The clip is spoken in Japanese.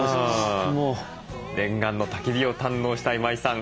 念願のたき火を堪能した今井さん。